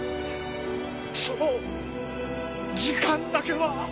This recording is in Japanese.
その時間だけは。